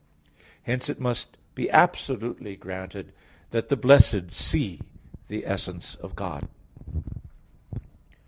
Hence it must be absolutely granted that the blessed see the essence of God.